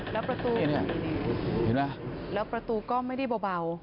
แล้วประตูก็ไม่ได้เบา